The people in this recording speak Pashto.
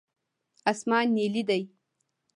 اسمان نیلي دی.